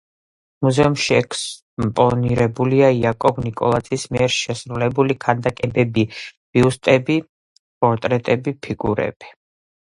მუზეუმში ექსპონირებულია იაკობ ნიკოლაძის მიერ შესრულებული ქანდაკებები: ბიუსტები, პორტრეტები, ფიგურები.